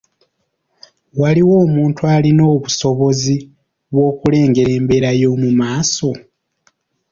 Waliwo omuntu alina obusobozi bw’okulengera embeera y'omu maaso?